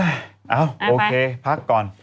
เอ้าโอเคพักก่อน